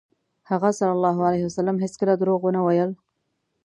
هغه ﷺ هېڅکله دروغ ونه ویل.